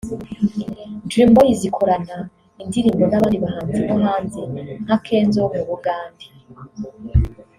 Dream boys ikorana indirimbo n’abandi bahanzi bo hanze nka Kenzo wo mu Bugande